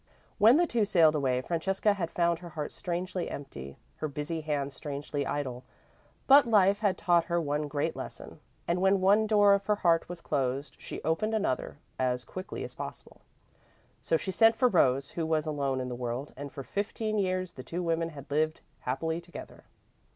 When the two sailed away, Francesca had found her heart strangely empty; her busy hands strangely idle. But Life had taught her one great lesson, and when one door of her heart was closed, she opened another, as quickly as possible. So she sent for Rose, who was alone in the world, and, for fifteen years, the two women had lived happily together.